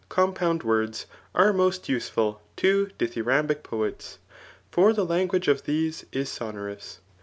compound words,] are most useful to dithyrambic poets; for the language of these is sonorous.